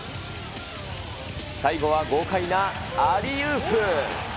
最後は豪快なアリウープ。